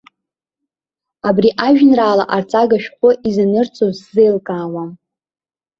Абри ажәеинраала арҵага шәҟәы изанырҵоз сзеилкаауам.